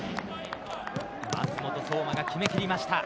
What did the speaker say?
舛本颯真が決め切りました。